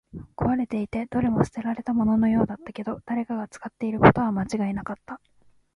壊れていて、どれも捨てられたもののようだったけど、誰かが使っていることは間違いなかった